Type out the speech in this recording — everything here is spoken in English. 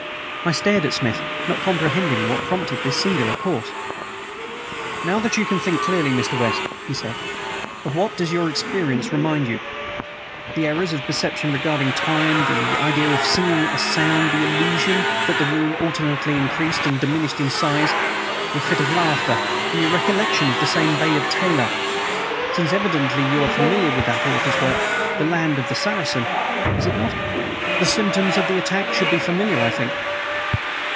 I stared at Smith, not comprehending what prompted this singular course. "Now that you can think clearly, Mr. West," he said, "of what does your experience remind you? The errors of perception regarding time; the idea of SEEING A SOUND; the illusion that the room alternately increased and diminished in size; your fit of laughter, and the recollection of the name Bayard Taylor. Since evidently you are familiar with that author's work 'The Land of the Saracen,' is it not? these symptoms of the attack should be familiar, I think."